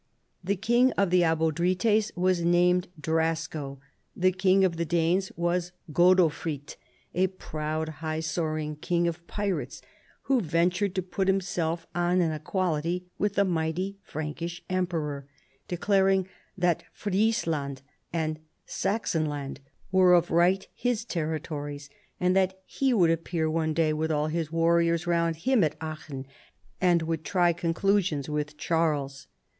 The king of the Abodrites was named Drasko ; the king of the Danes was Godofrid, a proud, high soaring king of pirates, who ventured to put himself on an equality with the mighty Frankish Emperor, declaring that Friesland and Saxonland were of right his territories, and that ho would appear one day with all his warriors round him at Aachen and would try conclusions Avith Charles.